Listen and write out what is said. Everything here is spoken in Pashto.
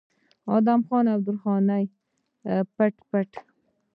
ادم خان او درخانۍ به پټ پټ